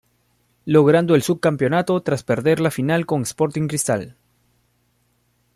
Logrando el sub-campeonato tras perder la final con Sporting Cristal.